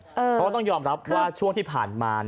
เพราะว่าต้องยอมรับว่าช่วงที่ผ่านมา